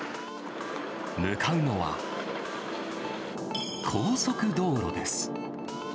向かうのは、高速道路です。